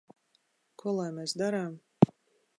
Ko lai mēs darām?